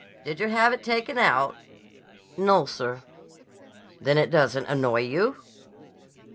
Did you have it taken out?" "No, sir." "Then it doesn't annoy you?"